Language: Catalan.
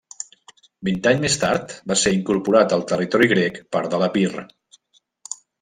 Vint anys més tard, va ser incorporat al territori grec part de l'Epir.